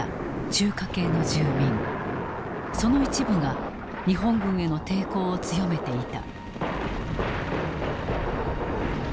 その一部が日本軍への抵抗を強めていた。